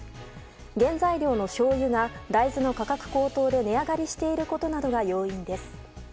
原材料のしょうゆが大豆の価格高騰で値上がりしていることなどが要因です。